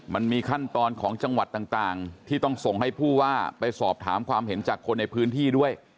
มันมีขั้นตอนของจังหวัดต่างที่ต้องส่งให้ผู้ว่าไปสอบถามความเห็นจากคนในพื้นที่ด้วย